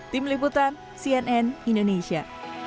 tim liputan cnn indonesia